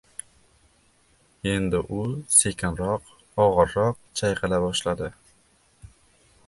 Endi u sekinroq, og‘irroq chayqala boshladi.